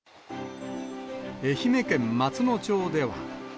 愛媛県松野町では。